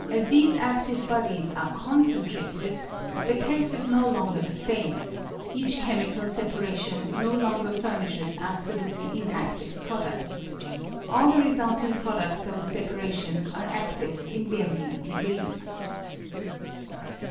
these adive bodies are concentrated, the case is no longer the same ; each chemical separation no longer furnishes absolutely inadiive produds ; all the resulting produds of a separation are adive in varying degrees.